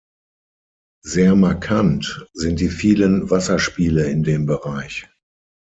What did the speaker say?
Sehr markant sind die vielen Wasserspiele in dem Bereich.